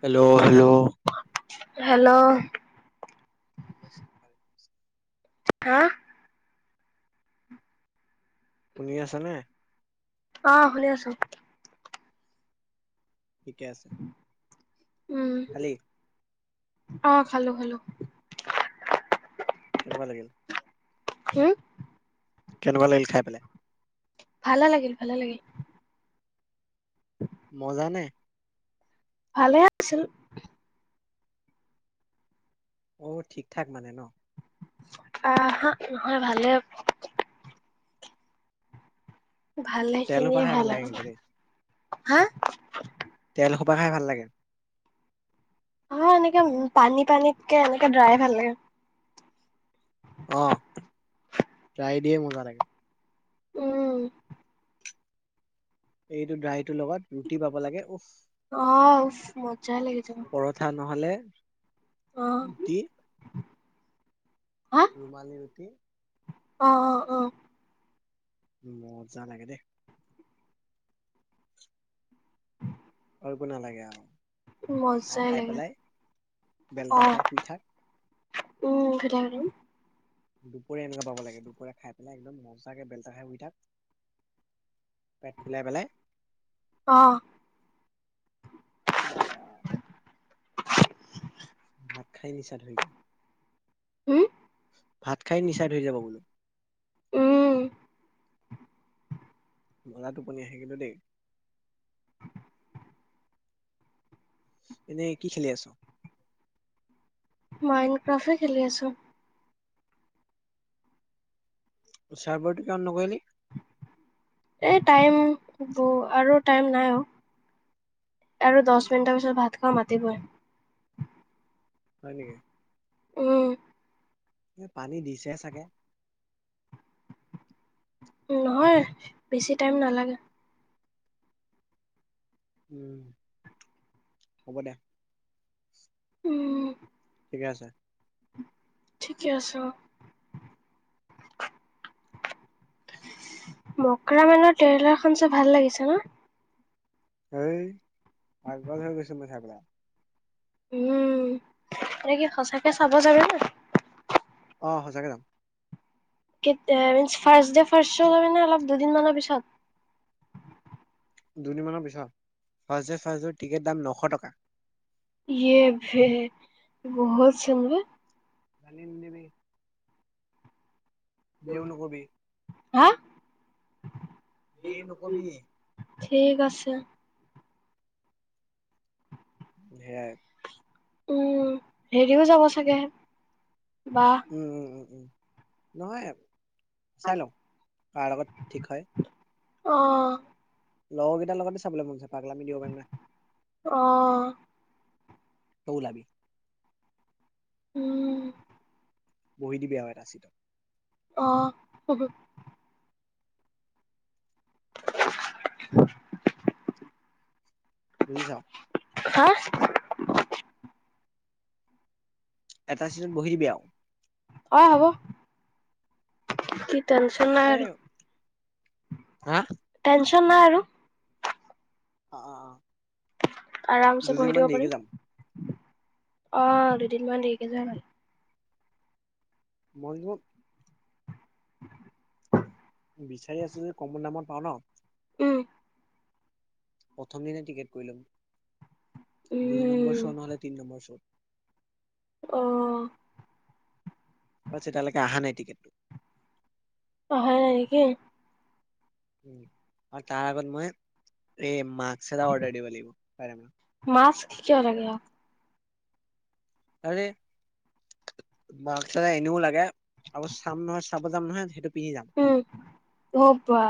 Hello hello hello হা শুনি আছা নে? অঁ শুনি আছোঁ। ঠিকে আছে উম খালি আহ খালোঁ খালোঁ কেনেকুৱা লাগিল হা কেনেকুৱা লাগিল খাই পেলাই ভালে লাগিল ভালে লাগিল। মজা নে? ভাল আছিল। অ ঠিক ঠাক মানে ন। আহ হাঁ নহয় ভালেই হ'ব। তেল সোপা ভালেখিনিয়ে খাই ভাল লাগে আৰু কিন্তু দেই হাঁ তেল সোপা খাই ভাল লাগে। অ এনেকে উম পানী পানীতকে এনেকে ড্ৰাই ভাল লাগে। আহ ট্ৰাই দিয়ে মজা লাগে। উম। এইটো ড্ৰাইত লগত ৰুটি পাব লাগে উফ অ মজাই লাগি যাব পৰঠা নহ'লে অ [inaudible] কি? হা ৰুমালী ৰুটি অ অ অ মজা লাগে দেই আৰু একো নালাগে আৰু আৰু মজাই খাই লাগে পেলাই অ বেলটা খাই শুই থাক উম দুপৰীয়া এনেকুৱা পাব লাগে দুপৰীয়া খাই পেলাই একদম মজাকে বেলতা খাই শুই থাক পেট ফুলাই পেলাই অ কি লাগে আৰু ভাত খাই নিচা ধৰি যায় হম ভাত খাই নিচা ধৰি যাব বোলো উম মজা টোপনি আহে কিন্তো দেই এনেই কি খেলি আছ মাইনড ক্ৰাফে খেলি আছো চাৰ্ভাৰটো কাম নকৰে নেকি এই টাইম ব আৰু টাইম নাই অ আৰু দহ মিনিটৰ পিছত ভাত খাব মাতিবই হয় নেকি উম পানি দিছে চাগে নহয় বেছি টাইম নালাগে উম হ'ব দে উম ঠিকে আছে ঠিকে আছ মকৰা মেনৰ টেইলাৰখন চাই ভাল লাগিছে ন এ পাগল হৈ গৈছো মইঠাকৰা উম এনে কি সঁচাকে চাব যাবি নে অ সঁচাকে যাম কেতিয়া ফাৰ্ষ্ট দে ফাৰ্ষ্ট চো নে অলপ দুদিনমানৰ পিছত দুদিনমানৰ পিছত first day first show ticket দাম নশ টকা ই এ ভে বহুত চোন বে কান্দি নিদিবি তেওঁ নকবি হাঁ এ নকবি ঠিক আছে সেয়াই উম হেৰিও যাব চাগে বা উম উম উম উম নহয় চাই লওঁ কাৰ লগত ঠিক হয় অহঁ লগৰকেইটাৰ লগতে চাবলৈ মন যায় পাগলামি দিব পাৰিম না। অ তয়ো ওলাবি। উম, বহি দিবা আও এটা চিটত। অ হব। বুজিছা। হা, এটা চিতত বহি দিবি আৰু। অ, হব। টেনশন নাই এ আৰু। হা, টেনচন নাই আৰু অ-অ-অ, আৰামছে বহি দিব পাৰি। অহ দুদিনমান দেৰিকে যোৱাই ভাল। মইজত, বিচাৰি আছো যে কমমান দামত পাও ন উম প্ৰথম দিনে টিকেট কৰি লম। দুই নম্বৰ উম শ্ব' নহ'লে তিন নম্বৰ শ্ব অহ, বাছ এতিয়ালৈকে অহা নাই টিকেটটো। অহা নাই নেকি? আৰু তাৰ আগত মই এই মাৰ্ক্স এটা অৰদাৰ দিব লাগিব পাৰে ম মাস্ক কিয় লাগে আৰু আৰে মাৰ্ক্স এটা এনেও লাগে আ চাম নহয় চাব যাম নহয় সেইটো পিন্ধি যাম উম অ বা।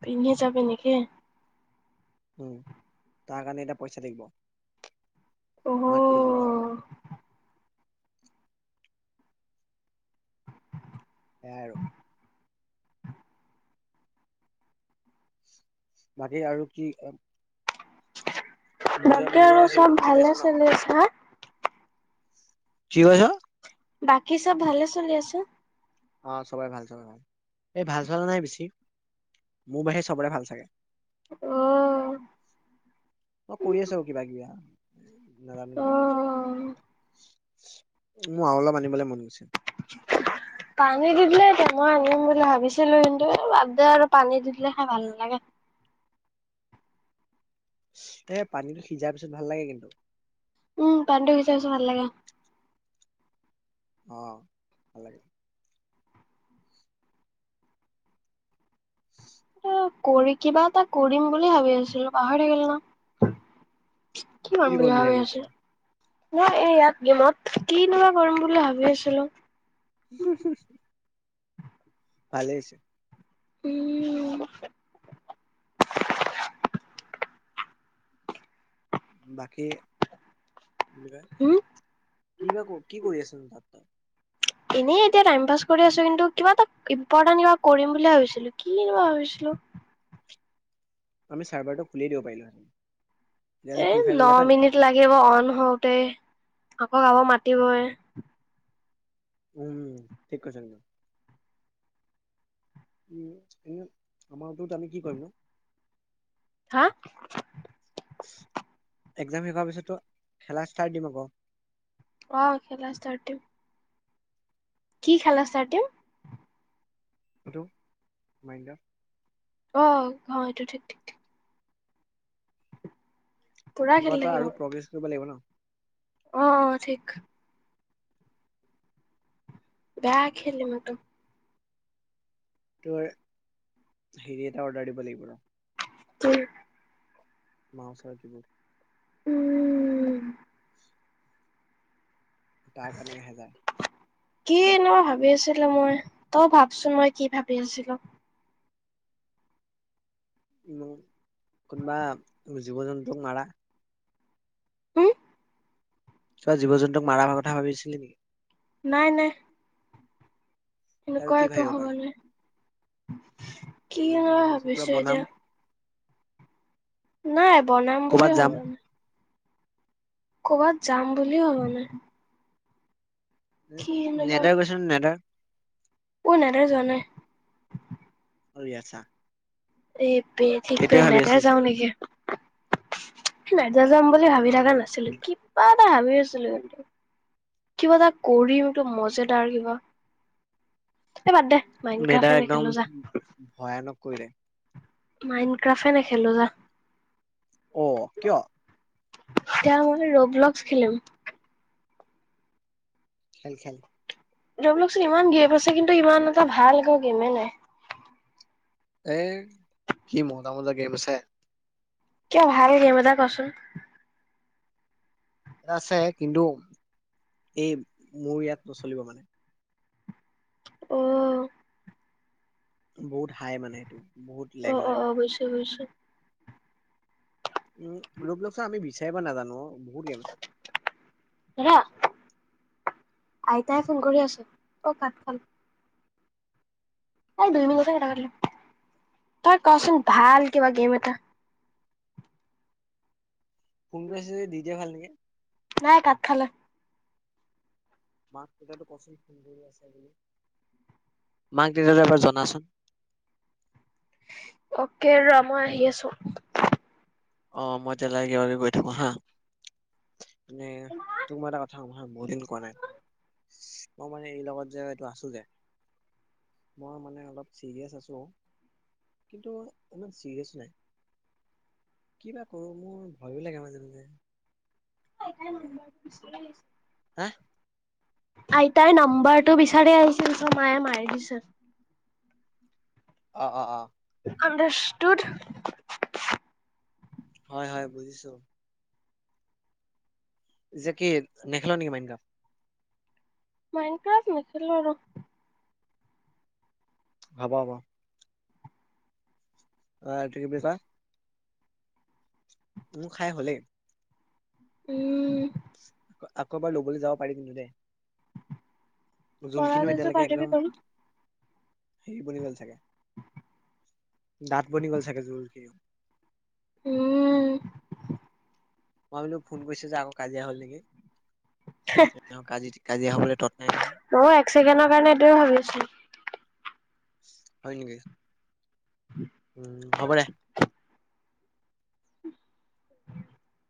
পিন্ধি যাবি নেকি? উম, তাৰ কাৰণে এতিয়া পইচা লাগিব। অ মাক খুজিম তাৰ কাৰনে। দে আৰু বাকি আৰু কি নিজৰ বাকি নিজৰ আৰু হেৰিটোত চব খেলি আছ ভালে ন চলি আছা? কি কৈছ? বাকী চব ভালে চলি আছে? অ, চবাই ভাল, চবাই ভাল। এই ভাল চোৱা নাই বেছি মোৰ বাহিৰে চবৰে ভাল চাগে। অহ, নাজা অ নেকি কৈ আছো? মোৰ আৰু অলপ আনিবলে মন গৈছে। পানী দি দিলে মই আনিম বুলি ভাবিছিলো কিন্তু বাদ দে আৰু পানী দি দিলে খাই ভাল নালাগে এ পানীটো সিজাৰ পিছত ভাল লাগে কিন্তু উম পাণীটো সিজাই পাছত ভাললাগে [unintelligible] অ ভাল লাগে এ কৰি কিবা এটা কৰিম বুলি ভাবি আছিলো পাহৰি থাকিল ন কি কিমান বুলি কৰিম ভাবি আছো আছিলি? ম এ ইয়াত গেমত কি নু কম বুলি ভাবি আছিলো উ হু হু ভালেই হৈছে উম বাকী হুম কি বা কি কৰি আছ তাত তই? এনে এতিয়া টাইম পাছ কৰি আছো কিন্তু কিবা এটা ইম্পৰ্টেণ্ট কিবা কৰিম বুলি ভাবিছিলো কিবা ভাবিছিলো আমি চাৰ্ভাৰটো খুলিয়ে দিব পাৰিলোহেতেন এ ন মিনিট লাগিব অ হওঁতে আকৌ আগৌ মাতিবই [unintelligible] উম ঠিক কৈছে ন উম এ আমাৰ মত ত আমি কি কৰিম ন হা এক্জাম শেষ হোৱাৰ পিছত খেলা ষ্টাৰ্ট দিম আকৌ অ খেলা ষ্টাত দিম কি খেলা ছাৰ তেওঁম [unintelligible] [inaudible] আহ ঘ এইটো ঠিক ঠিক পুৰা কিবা এটা আৰু প্ৰগ্ৰেছ কৰিব লাগিব ন আহ অ ঠিক বেয়া খেললে ম ত [unintelligible] ত হেৰি এটা অৰ্ডাৰ দিব লাগিব ৰ তম [unintelligible] মাছাৰ কিবোৰ [unintelligible] উম তাৰ কাৰণে এহেজাৰ কি ন ভাবি আছিলো মই তই ভাবছোন মই কি ভাবি আছিলো ইমানোৰ [unintelligible] কোনোবা [unintelligible] জীৱ জন্তুক মাৰা হম চ জীৱ জন্তুক মাৰ হ কথা ভাবিছিলি নেকি নাই নাই আৰু এনেকুৱা কি একো ভাবিব পাৰো ভবা নাই কিনো আৰু য় ভাবি আছো কিবা ভাবিছো বনাম এতিয়া [unintelligible] নাই বনাম বুলি কৰ'বাত হ যাম ন ক'বাত যাম বুলিও ভবা নাই কি নেদ গৈছ নেদা নেদা যোৱা নাই অ আছা এই পে ঠিক পে নাইদা যাও চাগে নেকি নাইদা যাম বুলি ভাবি থকা নাছিলো কিবা ভাবি আছিলো কিন্তু কিবা এটা কৰিম টো মজেদাৰ কিবা এই বাদ দে মাইন মেধা ক্ৰাফে একদম নেখেলো যা ভয়ানক কৰিলে মাইণ্ড ক্ৰাফে নেখেলো যা অ কিয় তেওঁ আমাৰ ৰব বলক্স খেলম খেল খেল ৰ বলকচোন ইমান গেপ আছে কিন্তু ইমান এটা ভালক গেমে নাই এ কি মজা মজা গেম আছে কিয় ভাল গেম এটা কচোন এটা আছে কিন্তু এই মোৰ ইয়াত নচলিব মানে অ বহুত হাই মানে এইটো বহুত অ লেগ অ মাৰিব অৱশ্যয় অৱশ্যয়ে উম লোক লোক চা আমি বিচা- হেব নাজনো অ বহু গেম আছে দাদা আইতাই ফোন কৰি আছে অ কাত খালে মই দুই মিনিট হে কথা পাতিলো তই কচোন ভাল কিবা গেম এটা ফোন কৰি আছে যে দি দিয়া ভাল কে উ [inaudible] নাই কাত খালে মাক দেতাহতক এবাৰ জনাচোন অকে ৰ মই আহি আছো অ মই তে লাই কিবা কিবি কৰি থাকো হা নে তো মাৰ এটা কথা কম বহু দিন কোৱা নাই মই মানে এই লগত যে এইটো আছো যে মই মানে অলপ চিৰিয়াছ আছো কিন্তু ইমান চিৰিয়াছ নাই কিবা কৰো মোৰ ভয়ো লাগে মাজে মাজে তাই লাগে নম্বৰ বিচৰা হা আছো আইতাই নম্বৰটো বিচাৰি আহিছিল চোন মায়ে মাৰি দিছে অ অ অ আন্দাৰষ্টুট হয় হয়, বুজিছো। যে কি নেখেল' নেকি মাইন গাম মাইণ্ড ফ্ৰেছ নিছিল আৰু হ'ব হ'ব। অ একে [unintelligible] মোৰ খাই হ'লেই। উম। আকৌ এবাৰ ল'বলৈ যাব পাৰি কিন্তু দেই। কৰা তাৰপিছত পাৰ্টি দিবা সেই বুলি গ'ল চাগে দাঁত বনি গ'ল চাগে, জোৰ কে। উম। মই ভাবিলো ফোন কৰিছো যে আকৌ কাজিয়া হ'ল নেকি [unintelligible] কাজি কাজিয়া হ'বলে ময়ো এক চেকেণ্ডৰ কাৰণে এইটোয়ে ভাবিছোঁ হয় নেকি? উম হ'ব দে [inaudible]